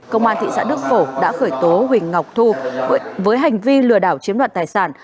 công an thị xã đức phổ đã khởi tố huỳnh ngọc thu với hành vi lừa đảo chiếm đoạt tài sản